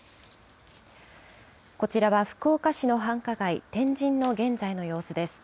こちらは、福岡市の繁華街、天神の現在の様子です。